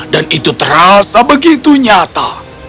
dan itu terasa begitu nyata